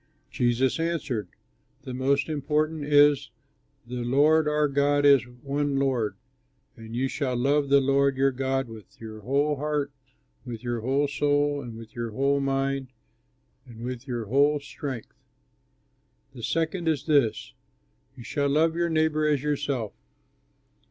Jesus answered, "The most important is: 'The Lord our God is one Lord; and you shall love the Lord your God with your whole heart, with your whole soul, with your whole mind and with your whole strength.' "The second is this: 'You shall love your neighbor as yourself.'